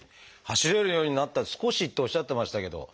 走れるようになった少しっておっしゃってましたけど